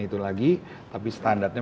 itu lagi tapi standartnya